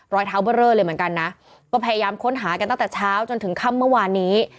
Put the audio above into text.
รอยเท้าเบอร์เรอเลยเหมือนกันนะก็พยายามค้นหากันตั้งแต่เช้าจนถึงค่ำเมื่อวานนี้